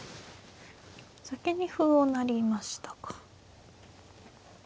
先に歩を成りましたか。